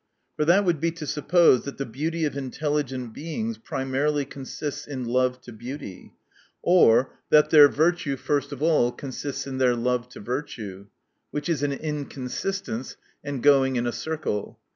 For that would be to suppose, that the beauty of intelligent beings primarily consists in love to beauty ; or, that their virtue first of all consists in their love to virtue. Which is an inconsistence, and going in a circle.